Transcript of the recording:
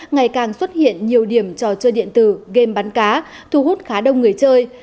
ngày càng xuất hiện nhiều điểm trò chơi điện tử game bắn cá thu hút khá đông người chơi